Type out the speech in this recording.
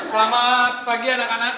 selamat pagi anak anak